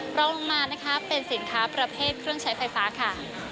รองลงมานะคะเป็นสินค้าประเภทเครื่องใช้ไฟฟ้าค่ะ